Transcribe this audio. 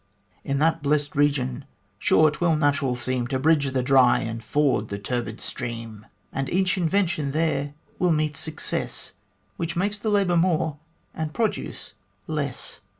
In that blest region sure 'twill natural seem To bridge the dry and ford the turbid stream, And each invention there will meet success, Which makes the labour more and produce less.